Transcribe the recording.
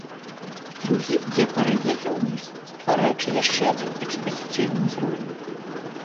Другі ідзе па рэльефе ўніз, ствараючы яшчэ адзін экспазіцыйны ўзровень.